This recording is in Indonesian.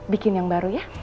bikin yang baru ya